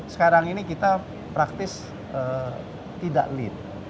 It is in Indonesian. sekarang ini kita praktis tidak lead